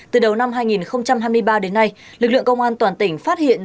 từ đầu năm hai nghìn hai mươi ba đến nay lực lượng công an toàn tỉnh phát hiện